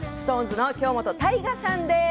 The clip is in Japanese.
ＳｉｘＴＯＮＥＳの京本大我さんです。